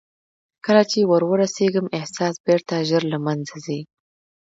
کله چې ور رسېږم احساس بېرته ژر له منځه ځي.